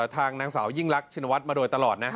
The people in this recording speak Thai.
ทางนางสาวยิ่งรักชินวัฒน์มาโดยตลอดนะ